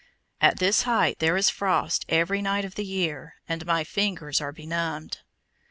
At this height there is frost every night of the year, and my fingers are benumbed.